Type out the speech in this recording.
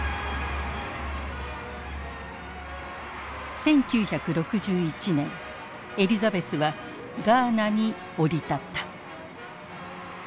１９６１年エリザベスはガーナに降り立った。